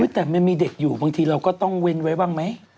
แต่มันมีเด็กอยู่บางทีเราก็ต้องเว้นไว้บ้างไหม